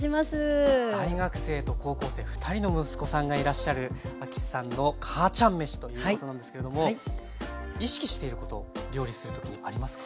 大学生と高校生２人の息子さんがいらっしゃる「亜希さんの母ちゃんめし」ということなんですけれども意識していること料理する時にありますか？